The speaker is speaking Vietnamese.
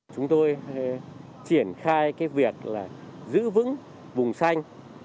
chúng tôi triển khai việc giữ vững vùng xanh